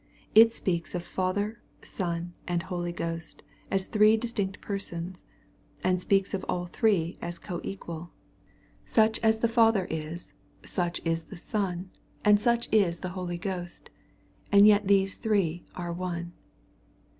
It speaks of Father, Son, and Holy Ghost as Three distinct persons, and speaks of all Three as co equaL Such as the 412 EXPOSITORY THOUGHTS. Father is^ such is the Son, and such is the Holy Ghosts And yet these Three are One.